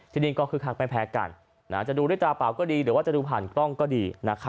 ที่ดิก็คือคักแม่แพ้กันจะดูด้วยจาเปาก็ดีหรือผ่านกล้องก็ดี